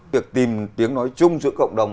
việc tìm tiếng nói chung giữa cộng đồng